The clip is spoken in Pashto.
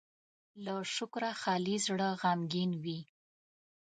له شکره خالي زړه غمګين وي.